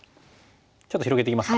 ちょっと広げていきますか。